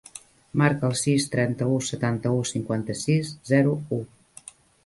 Marca el sis, trenta-u, setanta-u, cinquanta-sis, zero, u.